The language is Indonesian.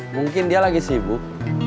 mungkin dia lagi sibuk